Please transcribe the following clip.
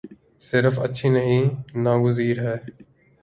صرف اچھی نہیں ناگزیر ہے۔